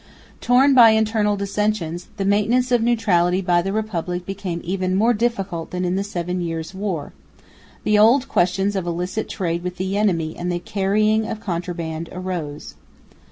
Torn by internal dissensions, the maintenance of neutrality by the Republic became even more difficult than in the Seven Years' War. The old questions of illicit trade with the enemy and the carrying of contraband arose.